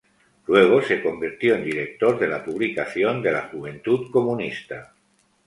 Luego se convirtió en director de la publicación de la Juventud Comunista.